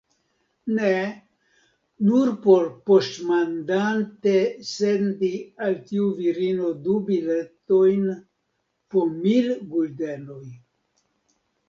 Ne; nur por poŝtmandate sendi al tiu virino du biletojn po mil guldenoj.